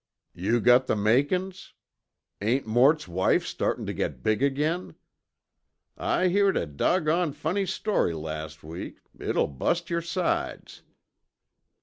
"Yew got the makin's?"... "Ain't Mort's wife startin' t'git big again?"... "I heered a doggoned funny story las' week, it'll bust yer sides."...